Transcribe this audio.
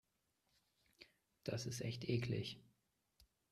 Das ist echt eklig.